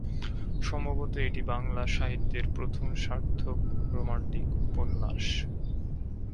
সম্ভবত এটি বাংলা সাহিত্যের প্রথম সার্থক রোমান্টিক উপন্যাস।